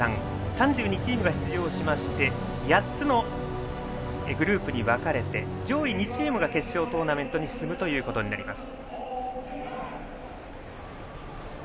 ３２チームが出場しまして８つのグループに分かれて上位２チームが決勝トーナメントに進むことになります。